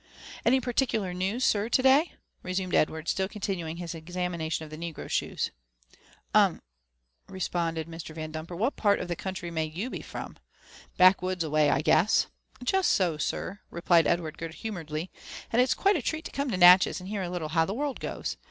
''Any particular news, sir, to day?" resumed Edward, still con tinnimg his examination of the negro shoes. "UmphI responded Mr. Yandumper; "what part of the country Biay you be from? — Bad^^woods away, I guess?" ^'Justao, sir,'' replied Edward good humouredly ; ''and it's quite a inoAt to eome to Natchez and hear a little how the world goes.